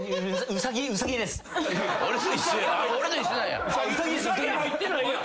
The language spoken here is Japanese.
うさぎ入ってないやん。